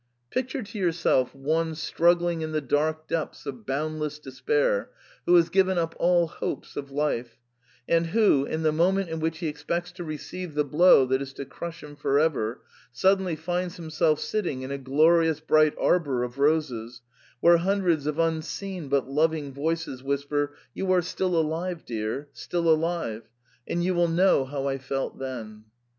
Picture to yourself one struggling in the dark depths of bound less despair, who has given up all hopes of life, and who, in the moment in which he expects to receive the blow that is to crush him for ever, suddenly finds himself sitting in a glorious bright arbour of roses, where hun dreds of unseen but loving voices whisper, *You are still alive, dear, — still alive '— and you will know how I felt then.